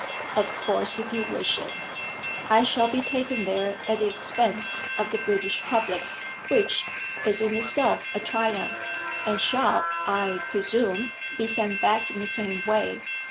"Of course if you wish it." "I shall be taken there at the expense of the British public, which is in itself a triumph, and shall, I presume, be sent back in the same way.